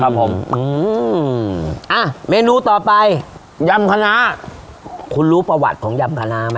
ครับผมอืมอ่ะเมนูต่อไปยำคณะคุณรู้ประวัติของยำคณะไหม